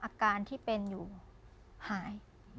อาการที่เป็นหาย